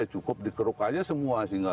cukup dikeruk aja semua sehingga